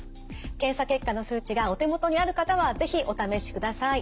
検査結果の数値がお手元にある方は是非お試しください。